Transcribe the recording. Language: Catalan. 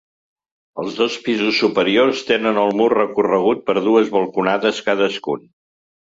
Els dos pisos superiors tenen el mur recorregut per dues balconades cadascun.